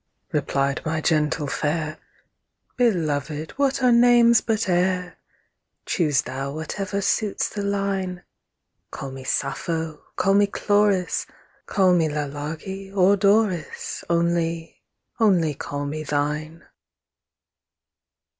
replied my gentle fair, 'Belovéd, what are names but air? Choose thou whatever suits the line; Call me Sappho, call me Chloris, 10 Call me Lalage or Doris, Only, only call me Thine.'